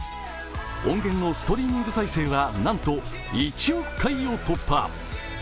音源のストリーミング再生はなんと１億回を突破。